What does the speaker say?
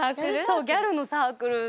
そうギャルのサークル。